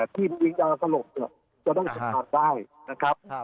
ที่มียาสลบจะต้องการได้